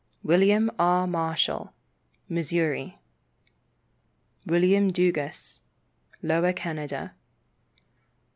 William R. Marshall, Missouri. William Dugas, Lower Canada.